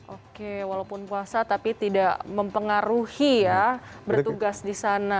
oke walaupun puasa tapi tidak mempengaruhi ya bertugas di sana